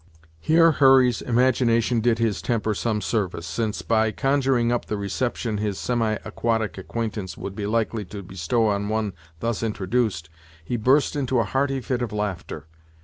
Here Hurry's imagination did his temper some service, since, by conjuring up the reception his semi aquatic acquaintance would be likely to bestow on one thus introduced, he burst into a hearty fit of laughter.